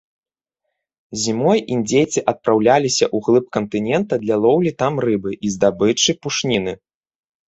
Зімой індзейцы адпраўляліся ўглыб кантынента для лоўлі там рыбы і здабычы пушніны.